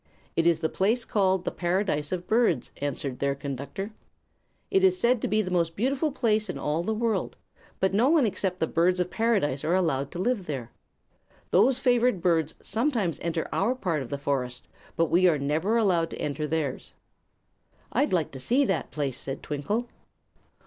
"It is the place called the Paradise of Birds," answered their conductor. "It is said to be the most beautiful place in all the world, but no one except the Birds of Paradise are allowed to live there. Those favored birds sometimes enter our part of the forest, but we are never allowed to enter theirs." "I'd like to see that place," said Twinkle.